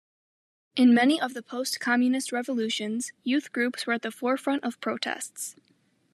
In many of the post-communist revolutions, youth groups were at the forefront of protests.